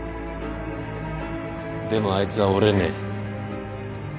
でもあいつは折れねえ。